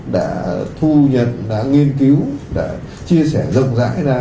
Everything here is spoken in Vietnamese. đã thu nhận đã nghiên cứu đã chia sẻ rộng rãi ra